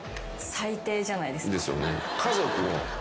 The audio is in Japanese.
最低じゃないですか。